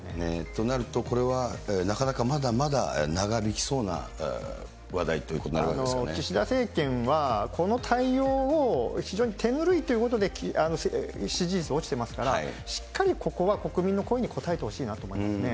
となると、これはなかなかまだまだ長引きそうな話題ということになるわけで岸田政権は、この対応を非常に手ぬるいということで支持率落ちてますから、しっかりここは国民の声に応えてほしいなと思いますね。